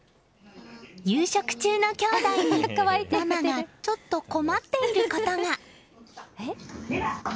夕食中のきょうだいにママがちょっと困っていることが。